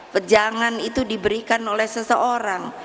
pejangan itu diberikan oleh seseorang